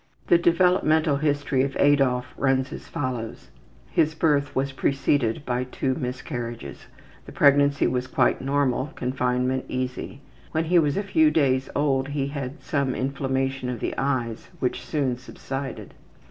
The developmental history of Adolf runs as follows: His birth was preceded by two miscarriages. The pregnancy was quite normal; confinement easy. When he was a few days old he had some inflammation of the eyes which soon subsided.